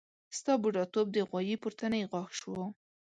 ستا بډاتوب د غوايي پورتنی غاښ شو.